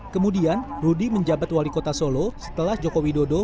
kemudian rudi menjabat wali kota solo setelah jokowi dodo